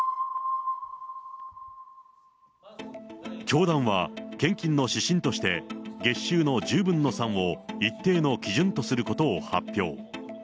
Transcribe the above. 教団は献金の指針として、月収の１０分の３を一定の基準とすることを発表。